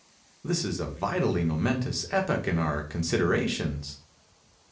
This is a vitally momentous epoch in our considerations.